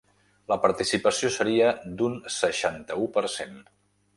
La participació seria d’un seixanta-u per cent.